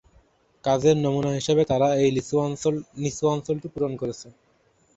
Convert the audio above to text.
কাজের নমুনা হিসাবে তারা সেই নিচু অঞ্চলটি পূরণ করেছে।